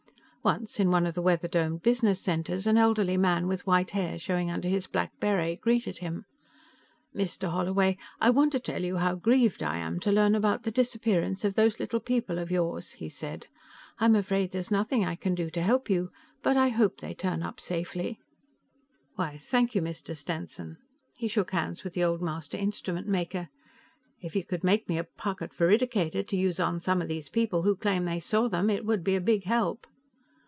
Once, in one of the weather domed business centers, an elderly man with white hair showing under his black beret greeted him. "Mr. Holloway I want to tell you how grieved I am to learn about the disappearance of those little people of yours," he said. "I'm afraid there's nothing I can do to help you, but I hope they turn up safely." "Why, thank you, Mr. Stenson." He shook hands with the old master instrument maker. "If you could make me a pocket veridicator, to use on some of these people who claim they saw them, it would be a big help."